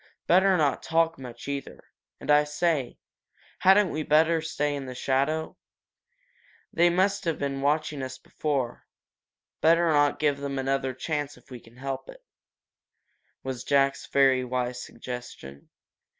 Better not talk much, either. And, I say, hadn't we better stay in the shadow? They must have been watching us before better not give them another chance, if we can help it," was Jack's very wise suggestion.